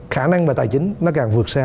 khả năng và tài chính nó càng vượt xa